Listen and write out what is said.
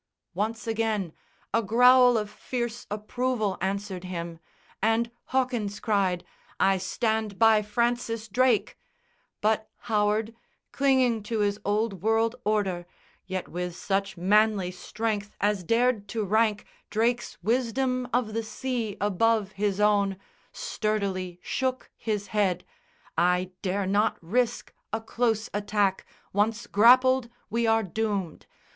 Once again A growl of fierce approval answered him, And Hawkins cried "I stand by Francis Drake"; But Howard, clinging to his old world order, Yet with such manly strength as dared to rank Drake's wisdom of the sea above his own, Sturdily shook his head. "I dare not risk A close attack. Once grappled we are doomed.